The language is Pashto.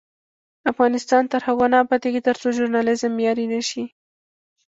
افغانستان تر هغو نه ابادیږي، ترڅو ژورنالیزم معیاري نشي.